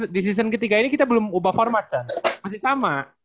di season ketiga ini kita belum ubah format chance masih sama